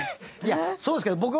いやそうですけど。